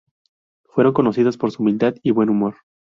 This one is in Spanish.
Fueron conocidos su humildad y buen humor.